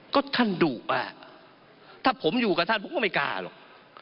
ก็ท่านดุมากถ้าผมอยู่กับท่านผมก็ไม่กล้าหรอก